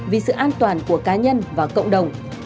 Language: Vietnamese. vì sự an toàn của cá nhân và cộng đồng